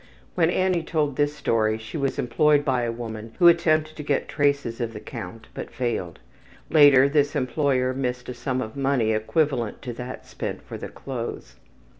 When Annie told this story she was employed by a woman who attempted to get traces of the count, but failed. Later this employer missed a sum of money equivalent to that spent for the clothes.